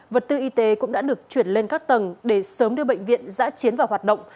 vật tư y tế cũng đã được chuyển lên các tầng để sớm đưa bệnh viện giã chiến vào hoạt động